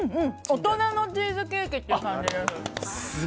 大人のチーズケーキって感じです。